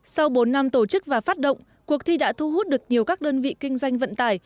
sau bốn năm tổ chức và phát động cuộc thi đã thu hút được nhiều các đơn vị kinh doanh vận tải